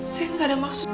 saya gak ada maksud